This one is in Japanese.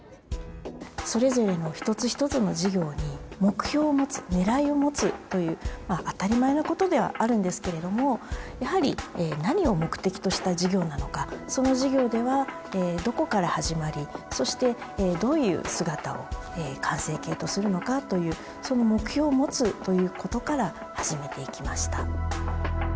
それぞれの一つ一つの授業に目標を持つねらいを持つという当たり前のことではあるんですけれどもやはり何を目的とした授業なのかその授業ではどこから始まりそしてどういう姿を完成形とするのかというその目標を持つということから始めていきました。